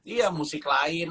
iya musik lain